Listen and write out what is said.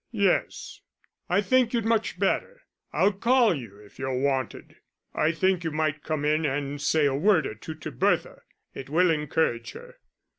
"Yes, I think you'd much better; I'll call you if you're wanted. I think you might come in and say a word or two to Bertha; it will encourage her."